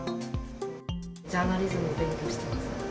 ジャーナリズムを勉強してます。